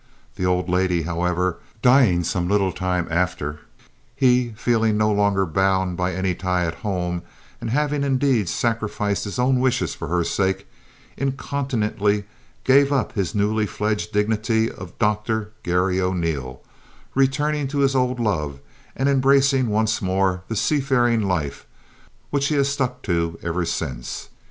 The old lady, however, dying some little time after, he, feeling no longer bound by any tie at home, and having indeed sacrificed his own wishes for her sake, incontinently gave up his newly fledged dignity of "Doctor" Garry O'Neil, returning to his old love and embracing once more a sea faring life, which he has stuck to ever since.